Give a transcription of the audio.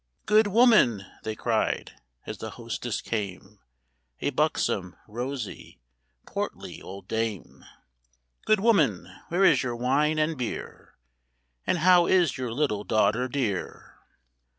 " Good woman," they cried, as the hostess came, — A buxom, rosy, portly old dame, —" Good woman, where is your wine and beer? " And how is your little daughter dear?